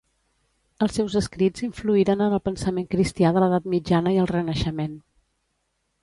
Els seus escrits influïren en el pensament cristià de l'edat mitjana i el Renaixement.